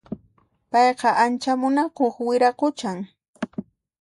Payqa ancha munakuq wiraquchan